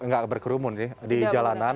gak berkerumun nih di jalanan